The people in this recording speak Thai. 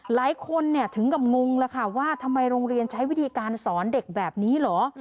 หลายคนถึงกำงว่าทำไมโรงเรียนใช้วิธีการสอนเด็กแบบนี้หรือ